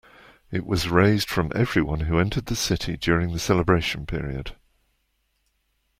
It was raised from everyone who entered the city during the celebration period.